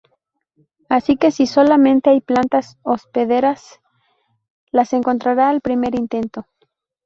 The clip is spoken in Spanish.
Así que si solamente hay plantas hospederas las encontrará al primer intento.